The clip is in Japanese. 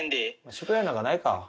宿題なんかないか。